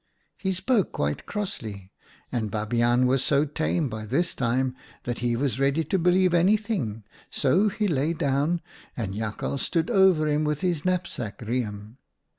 "He spoke quite crossly, and Babiaan was so tame by this time that he was ready to believe anything, so he lay down, and Jakhals stood over him with his knapsack riem.